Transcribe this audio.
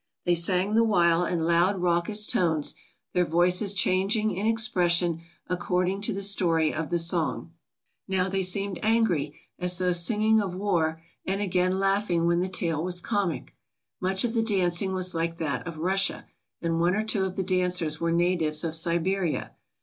They sang the while in loud, raucous tones, their voices changing in ex pression according to the story of the song. Now they 217 ALASKA OUR NORTHERN WONDERLAND seemed angry, as though singing of war, and again laugh ing when the tale was comic. Much of the dancing was like that of Russia, and one or two of the dancers were natives of Siberia.